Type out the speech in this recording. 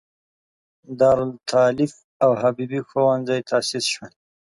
د دارالتالیف او حبیبې ښوونځی تاسیس شول.